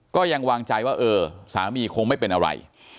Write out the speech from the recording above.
ก็ยังวางใจว่าเออสามีคงไม่เป็นอะไร